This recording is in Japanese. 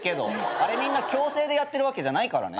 あれみんな強制でやってるわけじゃないからね。